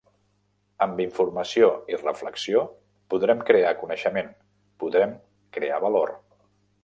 Amb informació i reflexió podrem crear coneixement, podrem crear valor.